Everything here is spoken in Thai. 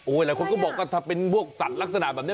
หลายคนก็บอกว่าถ้าเป็นพวกสัตว์ลักษณะแบบนี้